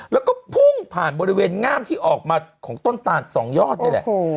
แล้วก็พุ่งผ่านบริเวณง่ามที่ออกมาของต้นตาลสองยอดนี่แหละ